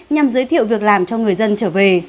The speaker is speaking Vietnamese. nhằm giới thiệu việc làm cho người dân trở về